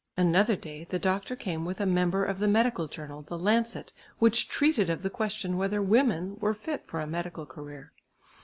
Another day the doctor came with a member of the medical journal, the Lancet, which treated of the question whether women were fit for a medical career.